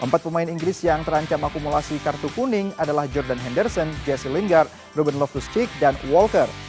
empat pemain inggris yang terancam akumulasi kartu kuning adalah jordan henderson jesse linggar ruben lovenustick dan walker